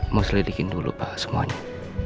mau selidikin dulu pak semuanya